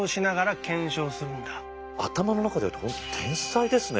頭の中でやるって本当天才ですね。